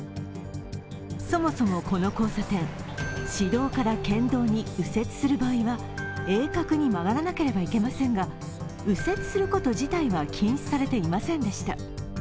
そもそもこの交差点、市道から県道に右折する場合は鋭角に曲がらなければいけませんが右折すること自体は禁止されていませんでした。